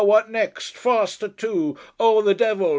what next! Faster too! Oh the devil!